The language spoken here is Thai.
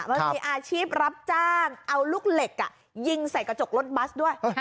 มันมีอาชีพรับจ้างเอาลูกเหล็กยิงใส่กระจกรถบัสด้วย